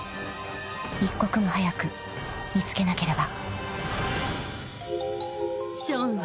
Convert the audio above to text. ［一刻も早く見つけなければ］